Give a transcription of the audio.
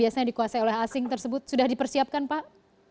biasanya dikuasai oleh asing tersebut sudah dipersiapkan pak